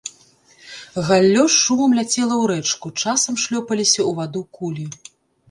Галлё з шумам ляцела ў рэчку, часам шлёпаліся ў ваду кулі.